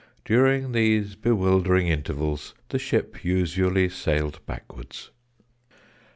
During these bewildering intervals the ship usually sailed backwards.